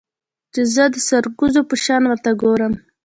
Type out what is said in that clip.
چې زه د سرکوزو په شان ورته گورم.